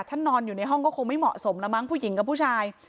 นอนอยู่ในห้องก็คงไม่เหมาะสมแล้วมั้งผู้หญิงกับผู้ชาย